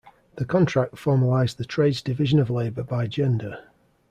The contract formalized the trade's division of labor by gender.